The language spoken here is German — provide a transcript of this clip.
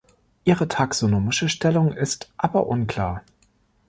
Ihre taxonomische Stellung ist aber unklar.